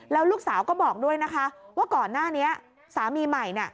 แล้วลูกสาวก็บอกด้วยนะคะว่าก่อนหน้านี้สามีใหม่